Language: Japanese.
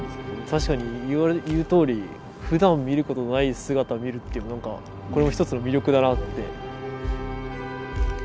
確かに言うとおりふだん見ることない姿見るっていうなんかこれも一つの魅力だなって。